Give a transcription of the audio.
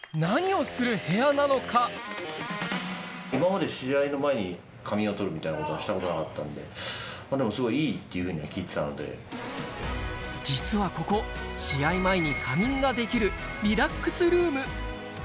今まで試合の前に、仮眠をとるみたいなことはしたことなかったんで、でも、すごいい実はここ、試合前に仮眠ができる、リラックスルーム。